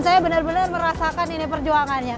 saya benar benar merasakan ini perjuangannya